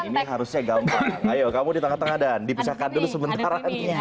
ini harusnya gampang ayo kamu di tengah tengah dan dipisahkan dulu sebentar